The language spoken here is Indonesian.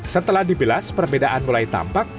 setelah dibilas perbedaan mulai tampak